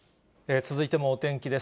続いてもお天気です。